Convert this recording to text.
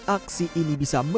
aksi ini bisa mengelola